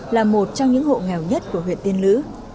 là một trong những hộ nghèo nhất của huyện tiên lữ